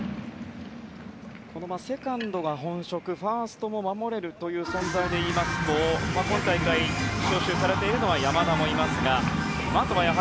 セカンドが本職、ファーストも守れるという存在で言いますと今大会、招集されているのは山田もいますが。